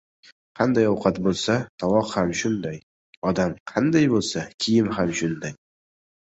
• Qanday ovqat bo‘lsa tovoq ham shunday, odam qanday bo‘lsa kiyimi ham shunday.